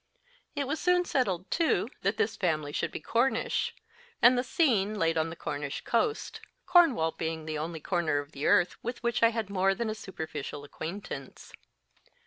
It was soon settled, too, that this family should be Cornish, and the scene laid on the Cornish coast, Cornwall being the only corner of the earth with which I had more than a superficial acquaintance.